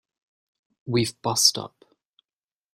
We've bust up.